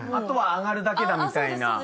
後は上がるだけだみたいな。